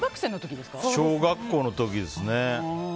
小学校の時ですね。